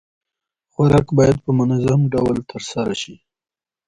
خوراک بايد په منظم ډول ترسره شي.